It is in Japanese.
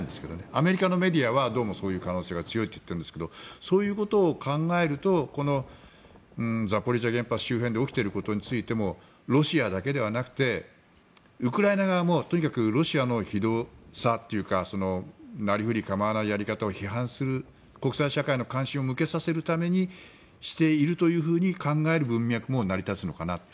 アメリカのメディアはどうもそういう可能性が強いと言っているんですがそういうことを考えるとこのザポリージャ原発周辺で起きていることについてもロシアだけではなくてウクライナ側もとにかくロシアの非道さというかなりふり構わないやり方を批判する、国際社会の関心を向けさせるためにしていると考える文脈も成り立つのかなと。